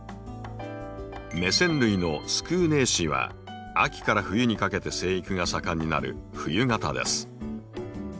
メセン類のスクーネーシーは秋から冬にかけて生育が盛んになる「冬型」です。